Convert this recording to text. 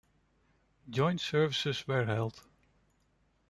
Joint services were held.